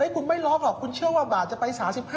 คุณไม่ล็อกหรอกคุณเชื่อว่าบาทจะไป๓๕